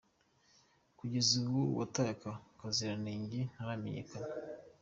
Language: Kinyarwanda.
Kugeza ubu uwataye aka kaziranenge ntaramenyekana.